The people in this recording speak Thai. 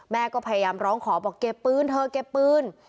แม่ก็พยายามร้องขอบอกเก็บปืนเธอเก็บปืน